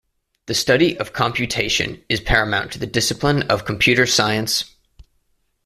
The study of computation is paramount to the discipline of computer science.